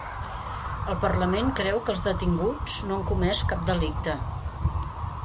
El parlament creu que els detinguts no han comès cap delicte